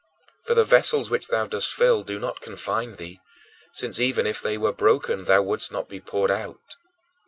For the vessels which thou dost fill do not confine thee, since even if they were broken, thou wouldst not be poured out.